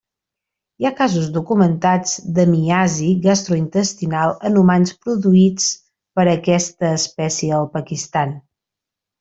Hi ha casos documentats de miasi gastrointestinal en humans produïts per aquesta espècie al Pakistan.